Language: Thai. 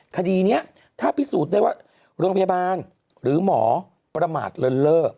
คดีนี้ถ้าพิสูจน์ได้ว่าโรงพยาบาลหรือหมอประมาทเลินเล่อ